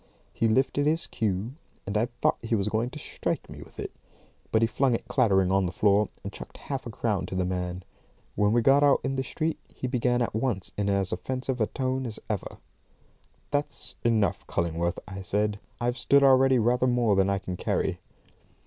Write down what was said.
He lifted his cue, and I thought he was going to strike me with it; but he flung it clattering on the floor, and chucked half a crown to the man. When we got out in the street, he began at once in as offensive a tone as ever. "That's enough, Cullingworth," I said. "I've stood already rather more than I can carry."